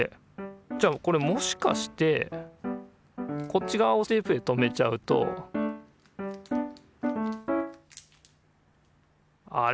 じゃあこれもしかしてこっち側をテープで留めちゃうとあれ？